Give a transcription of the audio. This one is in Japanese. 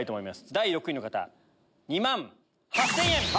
第６位の方２万８０００円。